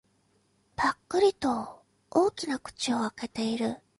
ぱっくりと大きな口を開けている。